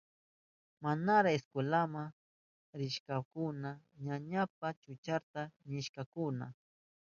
Manara iskwelama rishpankuna ñañanpa chukchanta ñakchahurka.